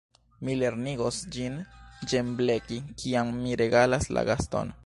Mi lernigos ĝin ĝembleki, kiam mi regalas la gaston!